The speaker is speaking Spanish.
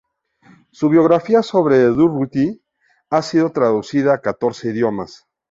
Su biografía sobre Durruti ha sido traducida a catorce idiomas.